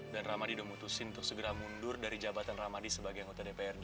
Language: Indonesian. dan ramadhi udah mutusin untuk segera mundur dari jabatan ramadhi sebagai anggota dprd